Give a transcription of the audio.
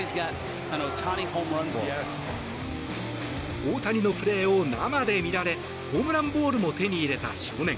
大谷のプレーを生で見られホームランボールも手に入れた少年。